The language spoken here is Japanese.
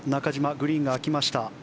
グリーンが空きました。